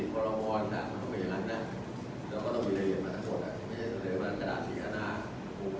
ก็พูดว่าถ้าบุญพันธุ์มีบัญฑ์ก็คงให้อยู่ได้